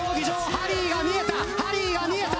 ハリーが見えたハリーが見えた。